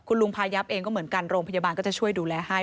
ลุงพายับเองก็เหมือนกันโรงพยาบาลก็จะช่วยดูแลให้